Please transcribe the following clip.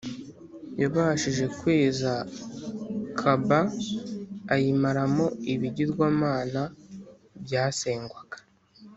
yabashije kweza kaʽbah ayimaramo ibigirwamana byasengwaga,